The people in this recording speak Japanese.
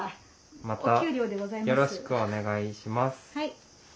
またよろしくお願いします。